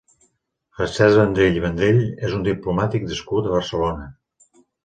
Francesc Vendrell i Vendrell és un diplomàtic nascut a Barcelona.